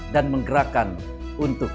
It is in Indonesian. dan menggerakkan untuk